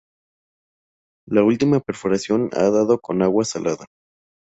La última perforación ha dado con agua salada.